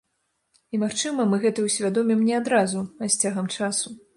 І, магчыма, мы гэта ўсвядомім не адразу, а з цягам часу.